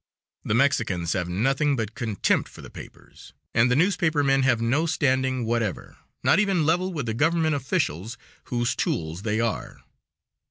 The Mexicans have nothing but contempt for the papers, and the newspaper men have no standing whatever, not even level with the government officials, whose tools they are.